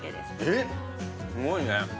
すごいね。